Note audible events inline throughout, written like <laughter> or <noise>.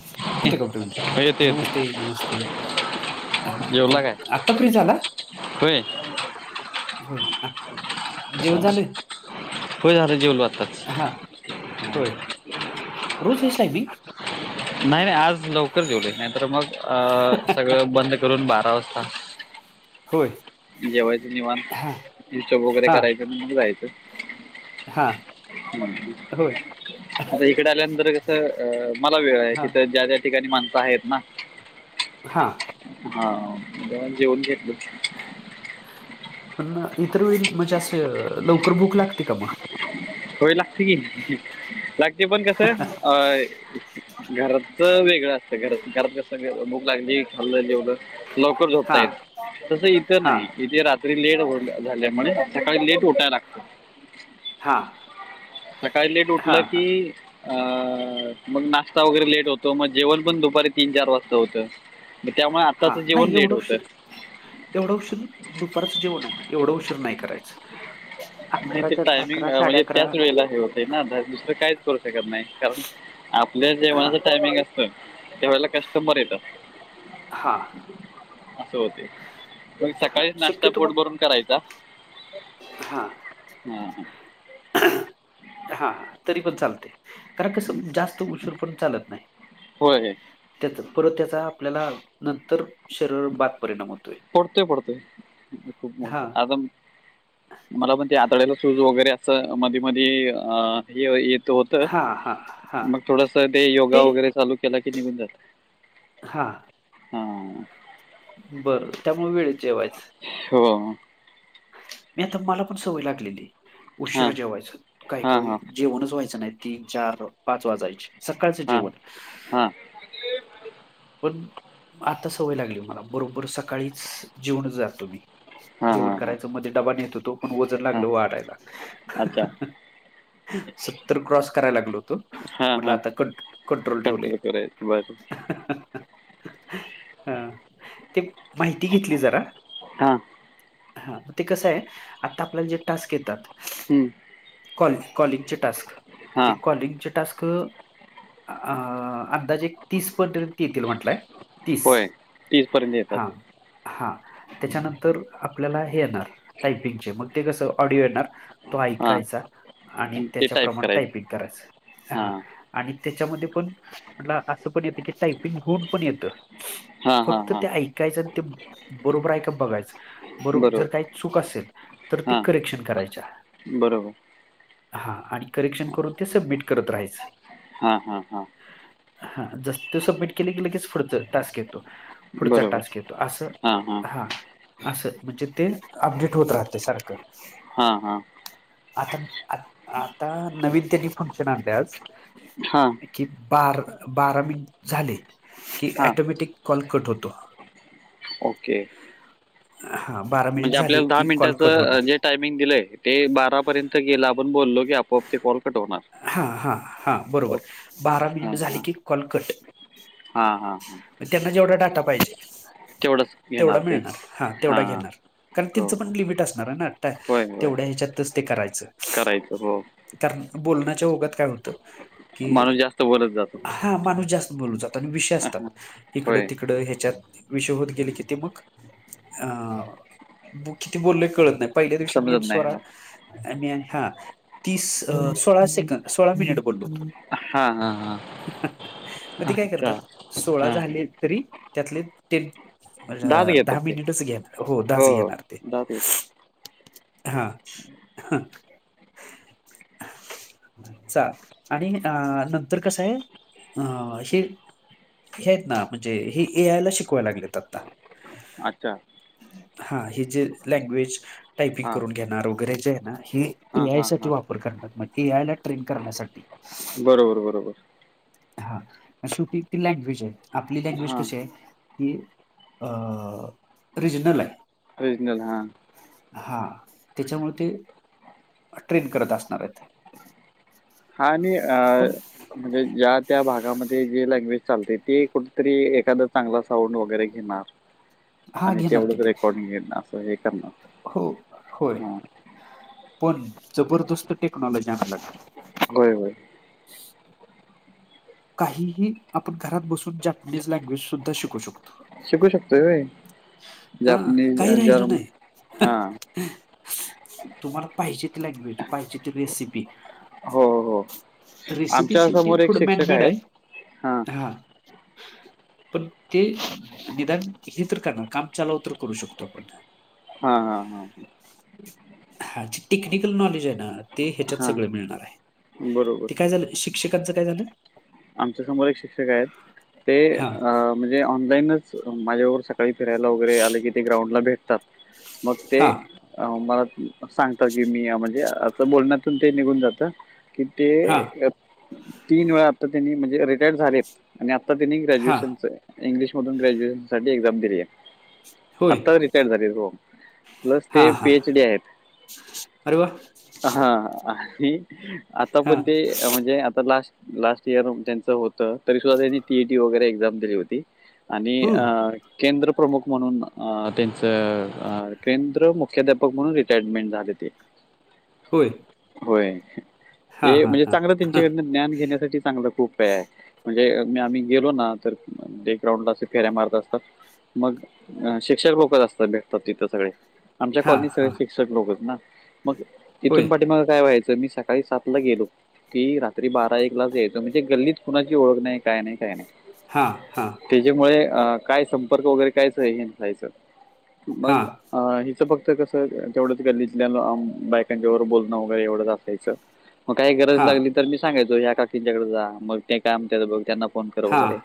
<unintelligible> येते येते नमस्ते नमस्ते. हा का जेवला काय आता फ्रेश झाला? होय. होय. आ जेवण झालं? होय याला जेवलो आताच. हा होय रोज हेच टायमिंग? नाय नाय आज लवकर जेवले नाही तर मग अ सगळं बंद करून बारा वाजता. होय. जेवायच निवांत. हां, हिशोब वगैरे हां, करायचं म्ह जायचं. हां. होय. आता इकडं आल्यानंतर कस अ वेळ आहे हां, तिथ ज्या त्या ठिकाणी माणसं आहेत ना. हां हा जरा जेवून घेतलं. पण इतर वेळी म्हणजे असं लवकर भूक लागते का मग? हो लागते की लागते पण कसं अ घराचा वेगळं असतं घर घरात कसं भूक लागली खाल्लं जेवलो. लवकर झोपता हां, येत तसं इथं हां, नाही इथे रा तरी लेट हो झाल्या म्हणे सकाळी लेट उठाय लागतं. हां. सकाळी लेट हां, उठलं की हां, अ मग नाश्ता वगैरे लेट होतो मग जेवण पण दुपारी तीन चार वाजता होतं. मग त्यामुळे हां. आत्ताचं जेवण नाही लेट एवढा होतं. उशीर एवढा उशीर दुपारचं जेवण आहे ना एवढा उशीर नाही करायचं. नाही ते टायमिंग म्हणजे त्याच वेळेला हे हो ते ना आ दुसरं काहीच करू शकत नाही कारण आपल्या हां, जेवणाच टायमिंग असतं त्या वेळेला कस्टमर येतात. हां. असं होते पण हां. सकाळीच नाश्ता शक्यतो पोट मग भरून करायचा. हां. हा हा. हा तरी पण चालते. कारण कसं जास्त उशीर पण चालत नाही. होय त्याचा परत त्याचा आपल्याला नंतर शरीर बाद परिणाम होतोय. पडतेय पडते खूप हां, मोठा आगम मला पण ते आतड्याला सूज वगैरे असं मध्ये-मध्ये अ ये येतो हां, हां, हां. मग थोडस ते योगा वगैरे चालू केला की निघून जात. हां. हां. बरं त्यामुळे वेळेेत जेवायचं. हो. नाही आता मला पण सवय लागलेली हां उशिरा जेवायच काही हां काळी हां जेवणच व्हायचं नाही. तीन, चार, पाच वाजायचे सकाळचं जेवण. हा. पण आता सवय लागली मला बरोबर सकाळीच जेवूनच जातो मी. हां जेवण हां हां करायचं म्हणजे डबा नेत होतो पण वजन हां लागलं वाढायला. अच्छा सत्तर क्रॉस करायला लागलोतो हां म्हटलं हां आता कं कंट्रोल ठेवले. बरं आहे माय पण हा ते माहिती घेतली जरा. हां हा ते कसं आहे आता आपल्याला जे टास्क येतात हम्म. कॉल कॉलिंगचे टास्क हां ते कॉलिंगचे टास्क आ अंदाजे तीस पदरे ततील म्हटलंय तीस होय तीसपर्यंत हा येतात हा त्याच्यानंतर आपल्याला हे येणार टायपिंगचे मग. ते कसं ऑडिओ येणार. तो हां ऐकायचा आणि ते टाईप त्याच्याप्रमाणे करायचं टायपिंग करायचा हा. हां आणि त्याच्यामध्ये पण म्ह असं पण येतं की टायपिंग होऊन पण येतं. हां हां फक्त हां ते ऐकायचं आणि ते बरोबर आहे का बघायचं. बरो जर बरोबर काही चूक असेल तर ते हां करेक्शन करायच्या. बरोबर हा आणि करेक्शन करून ते सबमिट करत राहायचं. हा हा हा. हा जस त सबमिट केले गेलं कीच फडत टास्क येत पुढचा बरोबर टास्क येतो असं हां हां हा असं म्हणजे ते अपडेट होत राहते सारखं हा हा आता आता नवीन त्यांनी फंक्शन आणले आज हा कि बारा बारा मिनिट झाले कि हां टोमॅटिक कॉल कट होतो ओके हा बारा मिनिट म्हणजे झाले आपल्याला दहा की कॉल कट मिनिटचं होणार जेा दिय ते बारा पर्यंत गेलं आपण बोललो की आपोआप ते कॉल कटवणार हा हा हा बरोबर बारा मिनिट हां, झाले हां. की कॉलकट हां, हां, हां. त्यांना जेवढा डाटा पाहिजे तेवढंच तेवढा घेणार ते. मिळणार हा तेवढा हां. घेणार कारण हो, त्यांचं पण हो. लिमिट असणार आहे ना होय, होय. तेवढ्या ह्याच्यातच ते करायचं करायचं हो कार बोलण्याच्या ओगात काय होतं कि माणूस जास्त बोलत जातो. हा माणूस जास्त बोलू जातात आणि विषय हां, हां. असतात इकडं होय. तिकडं ह्याच्यात विषय होत गेले की ते मग अ किती बोलले कळत नाही पहिल्या दिवशी मी समजत नाही. स्वरा हो. मी हा तीस सोळा सेकं सोळा मिनिट बोललो हा हा हा मग ते काय करतात सोळा झाले तरी त्यातले ण दहा घेतात ते. मिनिटच घेणार हो दच घेणार ते दहावीत हा हा ह चा आणि अ नंतर कसं आहे अ हे हे आहेत ना म्हणजे हेी ए आय ला शिकवायला लागलेत आता अच्छा हा हे जे लँग्वेज टायपिंग हां करून घेणार वगैरे जे आहे ना हे ए हां आय हां साठी हां वापर करण्यात मग ए आय ला ट्रेन करण्यासाठी बरोबर बरोबर हा शेवटी ती लँग्वेज आहे आपली लँग्वेज हां कशी आहे की रिज नालय ओरिजनल हा हा त्याच्यामुळे ते ट्रेन करत असणार आहेत हा आणि अ पण म्हणजे ज्या त्या भागामध्ये जे लँग्वेज चालते ते कुठ तरी एखादा चांगला साऊंड वगैरे घेणार हा आणि घेणार तेवढंच किती रेकॉर्डिंग घे असं हे करण हो होय पण जबरदस्त टेक्नॉलॉजी आलाग होय होय काही आपण घरात बसून जपनीज लँग्वेज सुद्धा शिकू शकतो शिकू शकतोय होय, हां, जापनीज, काही राहिलं जर्मन नाही. हा तुम्हाला पाहिजे ती लँग्वेज, पाहिजे त रेसिपी. हो हो रेसिपी आमच्या शेवटी समोर एक थोड मॅन शिक्षक मेड आहेत आहे. हां हा पण ते निदान हे, तर करणार. काम चालव तर करू शकतो आपण हा हा हा हा. हा जे टेक्निकल नॉलेज आहे ना ते ह्याच्यात हां सगळ मिळणार आहे बरोबर ते काय झालं शिक्षकांच काय झालं आमच्या समोर एक शिक्षक आहेत. ते हां, अ म्हणजे ऑनलाईनच माझ्याबरोबर काही फिरायला वगैरे आले की ते ग्राउंडला भेटतात. मग ते हां, मला सांगता की मी या मध्ये असं बोलण्यातून ते निघून जाते, की ते हां, तीन वेळा आता त्यांनी, म्हणजे रिटायर झालेत आणि आता त्यांनी हां. ग्रॅज्युएशनच इंग्लिश मधून ग्रॅज्युएशन साठी एक्झाम दिली आहे. होय. आत्ता रिटायर झालीय. हो. प्लस ते हां, पी हां. एच डी आहेत. अरे वाह! हा आणि आता पण हां, ते म्हणजे आता लास्ट, लास्ट. <unintelligible> त्यांच होत तरी सुद्धा त्यांनी टीईडी वगैरे एक्झाम दिली होती आणि हं, केंद्र प्रमुख म्हणून अ त्यांच केंद्र मुख्याध्यापक म्हणून रिटायरमेंट झालेली आहे. होय. होय. हां, ते हां, म्हणजे हां. चांगलं त्यांच्याकडन ज्ञान घेण्यासाठी चांगलं खूप आहे. म्हणजे आम्ही गेलो ना तर डे ग्राउंड ला अस फेऱ्या मारत असतात. मग शिक्षक लोक च असतात. भेटतात तिथं सगळे आमच्या हां, कॉलनीत सगळे हां. शिक्षक लोकच आहेत ना मग होय. तेथून पाठी माग काय व्हायचं? तर मी सकाळी सात ला गेलो की, रात्री बारा एक लाच यायचो. म्हणजे गल्लीत कुणाची ओळख नाही, काय नाही, काय नाही. हा हा. त्याच्यामुळे अ काय संपर्क वगैरे काय च हे नसायचं मग हां, अ हिचं फक्त कसं तेवढंच, गल्लीतल्या बायकांच्या बरोबर बोलणं वगैरे एवढंच असायचं. मग काही गरज हां, लागली तर मी सांगायचो, हया काकींच्या कडे जा मग ते काम ब त्यांना फोन कर हां, वगैरे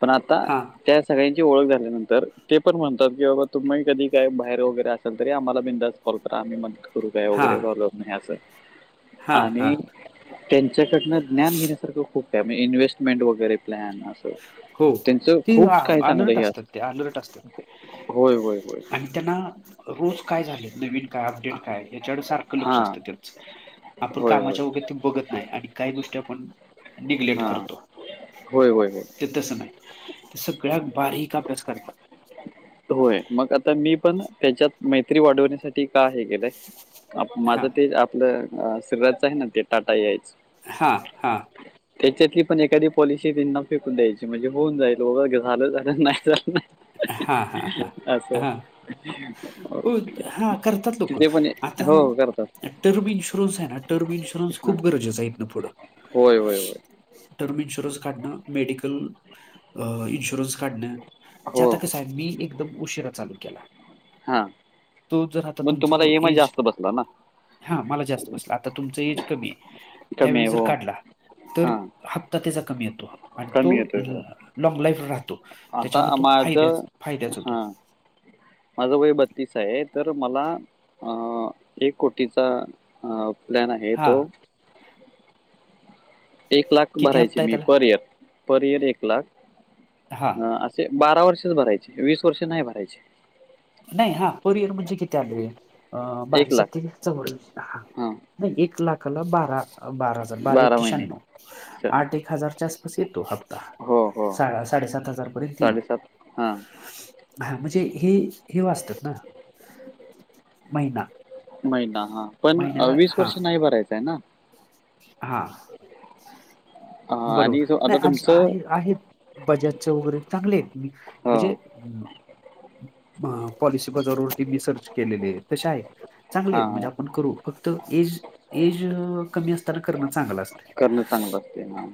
पण आता हां. त्या सगळ्यांची ओळख झाल्यानंतर ते पण म्हणतात, की बाबा तुम्ही कधी काय बाहेर वगैरे असेल तरी आम्हाला बिंदास फोन करा आणि मग <unintelligible> हां, अस हां, हां. आणि त्यांच्याकडन ज्ञान घेण्यासारखं खूप हाय इन्व्हेस्टमेंट वगैरे प्लॅन असं हो. त्यांच ते खूप आ काही चांगलं अलर्ट हे असतात असत, ते अलर्ट होय होय होय. हा रोज काय झाले, नवीन काय, अपडेट काय, ह्याच्याकडं सारखं लक्ष हां. असतं त्याच. आपण होय, होय. कामाच्या <unintelligible> ते बघत नाही आणि काही गोष्टी आपण निग्लेक्ट हा करतो. होय होय होय ते तसं नाही, ते सगळ्या बारीक अभ्यास करतात. होय. मग आता मी पण त्याच्यात मैत्री वाढवण्यासाठी का हे केलंय. माझं हां, ते आपलं श्रीराजच आहे ना, ते टाटा ए आय च हां हां. त्याच्यातली पण एखादी पॉलिसी त्यांना फेकून द्यायची, म्हणजे होऊन जायल <unintelligible> झालं झालं नाही झा <inaudible> हा हा हा हा हो हा करतात लोक तिथे पण ए- आता. हो हो, करतात टर्म इन्शुरन्स आहे ना टर्म इन्शुरन्स हा खूप गरजेचं आहे इथंन पुढं- होय होय होय. टर्म इन्शुरनस काढणं, मेडिकल इन्शुरन्स काढण, म्हणजे हो आता कसं हाय मी एकदम उशिरा चालू केला. हा. तो जर मग तुम्हाला इ एम आय जास्त बसला ना. हा मला जास्त बसला आता तुमच एज कमी आहे कमी त्यावेळी आहे जर हो काढला तर- हां हत्ता त्याचा कमी येतो, आणि तो कमी येतोय हो लॉंग लाईफ राहतो. त्याच्यामध्ये आता तो माझं फायद्याच फायद्याच होतो. हां माझं वय बत्तीस आहे तर मला अ एक कोटीचा अ लण हे हां तो. एक लाख किती भरायची हप्ता आहे मी त्याला पर इयर पर इयर एक लाख. हां बारा वर्षच भरायचे, वीस वर्ष नाही भरायचे. नाही हा पर इअर म्हणजे किती आले अ एक लाख बारेसाती चौर्याऐंशी हा हां - नाही एक लाखाला बारा- बारा हजार. बारी बारा आठे महिने शहाअंनोवं स- आठ एक हजारच्या आसपास येतो हप्ता. हो हो साडेसात हजार पर्यंत येई- साडेसात हां हा म्हणजे हे हे वाचतात ना महिना- महिना हा पण वीस वर्ष नाही भरायचं आहे ना. हा अ, बरोबर आणि जो आता नाही आ तुमचं आहे आहेत. बजाजच वगैरे चांगले आहेत मी हो म्हणजे. पॉलिसी प जारवरती मी सर्च केलेले आहे तश आहे. चांगले हां आहेत म्हणजे हां आपण करू फक्त एज एज कमी अस- करणं चांगलं असते ना.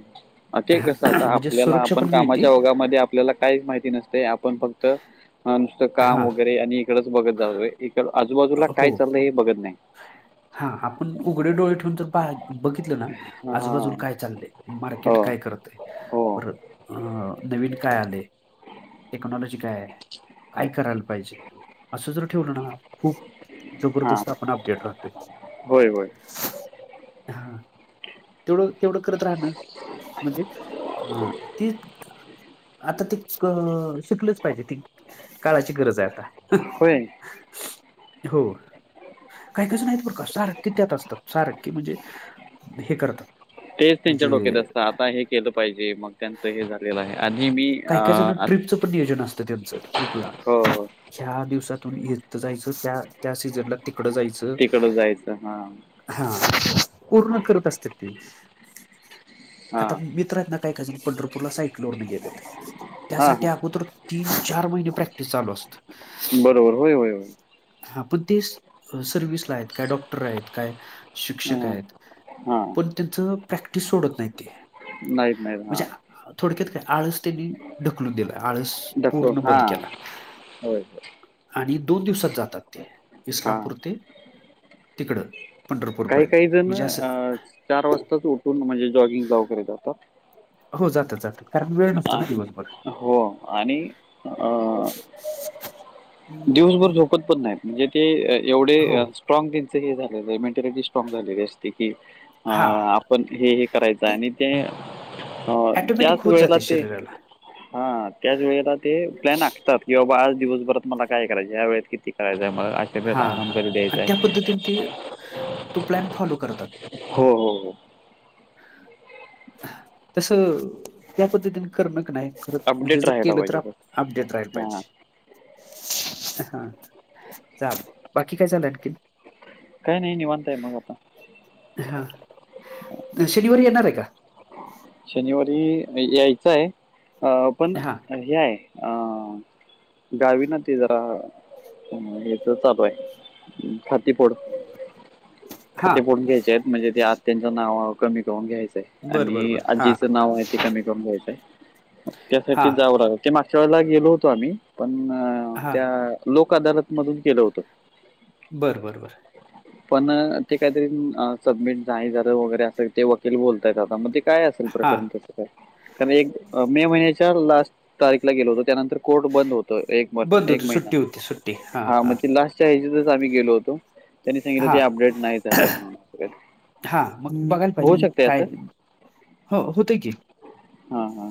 ते कसं आता म्हणजे आपल्याला सुरक्षा आपण पण मिळते कामाच्या ओगामध्ये, आपल्याला काहीच माहिती नसते आपण फक्त नुसतं काम हां वगैरे आणि- इकडेच बघत जातोय इकड आजूबाजूला काय चालय हे बघत नाही. हा आपण उघडे डोळे- बघितलं ना हां, आजूबाजू हां. काय चाललंय मार्केट हो, काय करतय. हो. परत अ नवीन काय आले. टेक्नॉलॉजी काय आहे काय करायला पाहिजे असं जर ठेवलं ना. खूप हां. जबरदस्त आपण अपडेट राहतोय होय, होय. ह- तेवढं तेवढं करत राहणं म्हणजे अ तेी- आता ते शिकलच पाहिजे ती काळाची गरज आहे आता. होय हो काही कसं नाही बर का सारककी त्यात असतात सारककी म्हणजे हे करतात. तेच त्यांच्या म्हणजे डोक्यात असत आता हे केलं पाहिजे मग त्यां- हे झालेलं आहे आणि मी अ काही काही जण ट्रिपचं पण नियोजन असतं त्यांचं ट्रिपला हो, ह्या दिवसातून इथ जायचं त्या त्या सीजनला तिकडं जायचं. तिकड जायचं हा हा पूर्ण करत असते ती आता हां. मित्र- काज पंढरपूर सायकलवर गेले. हां, त्यासाठी हां. अगोदर तीन चार महिने प्रॅक्टिस चालू असत. बरोबर होय होय होय हा पण ते सर्विसला आहेत काय डॉक्टर आहेत काय शिक्षक हां, आहेत. हां. पण त्यांचं प्रॅक्टिस सोडत नाही ते. नाहीत नाही हा म्हणजे थोडक्यात काय आळस त्यांनी ढकलून दिला आळस दाखव पूर्ण बंद हां. केला. होय हो. आणि दोन दिवसात जातात ते हां. इस्लामपूर ते तिकडं काही पंढरपूरपर्यंत काही जण म्हणजे अ असं चार वाजताच उठून म्हणजे जॉगिंग जाव जात हो जातात जातात कारण वेळ नसतो ना हो आणि अ दिवसभर झोकत पण नाहीत म्हणजे ते हो, एवढे. स्ट्राग त्यांच हे झाले मेंटॅलिटी स्ट्राग झालेली असते की हां. पण हे हे करायचं ती आणि ते अ ऑटोमॅटिक त्याच होत वेळेला जाते ते. शरीराला. हा त्याच वेळेला ते प्लॅन आखतात कि बाबा आज दिवसभरात. मला काय करायचं या वेळेत किती करायचं म- हा हा आणि त्या पद्धतीने ते तो प्लॅन फॉलो करतात. हो हो हो. तस त्या पद्धतीने करणक नाही. खर म्हणजे अपडेट जर राहायला केलं तर पाहिजे बस. अपडेट राला हां. पाहिजे हा. जा बाकी काय झालं आणखी.. काही नाही नि म्हनताय मग आता. हा शनिवारी येणार आहे का. शनिवारी यायचं आहे अ पण हां, हेय अ. गावी ना ते जरा हे तर चालू आहे. खाती फोड हां. खाती फोडून घ्यायचे आहेत. म्हणजे ते आत्याच्यां नावावर कमी लोन घ्यायचंय. बर बर बर. आजीचं नाव आहे ते कमी करून घ्यायचंय त्यासाठी हां, जाव लागलं. ते मागच्या वेळेला गेलो होतो आम्ही पण हां. त्या लोक अदालत मधून गेलो होतो. बरं बरं बर. पण ते काहीतरी सबमिट नाय झालं वगैरे असं ते वकील बोलतायत आता मग ते. काय असेल हां, प्रकर त्याचा काय कारण एक मे महिन्याच्या लास्ट तारीखला गेलो होतो त्यानंतर कोर्ट बंद होत एक म बंद एक होती. महिना. सुट्टी होती, सुट्टी. हां, हा मग हां. ते लास्टच्या ह्याच्यातच आम्ही गेलो होतो. त्यांनी सांगितलं हा ते अपडेट नाही झालंय म्हणून असं काहीतरी. हा मग बघायला होऊ पाहिजे शकते काय. हो होतय की. हा हा हा.